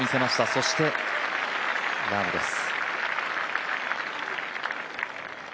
そしてラームです。